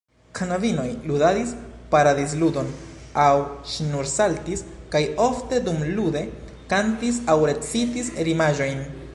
Knabinoj ludadis paradizludon aŭ ŝnursaltis, kaj ofte dumlude kantis aŭ recitis rimaĵojn.